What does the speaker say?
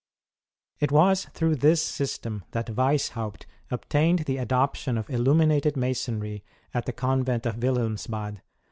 It was through this system that Weishaupt obtained the adoption of illuminated Masonry at the convent of Wilhelmsbad.